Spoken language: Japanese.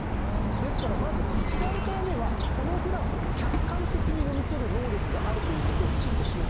ですからまず１段階目はこのグラフを客観的に読み取る能力があるという事をきちんと示す。